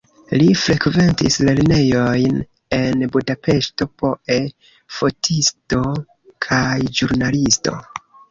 Li frekventis lernejojn en Budapeŝto poe fotisto kaj ĵurnalisto.